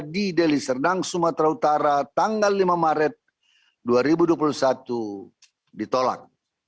di deli serdang sumatera utara tanggal lima maret dua ribu dua puluh satu ditolak